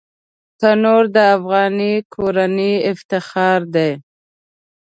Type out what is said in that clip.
تنور د افغاني کورنۍ افتخار دی